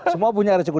semua punya resiko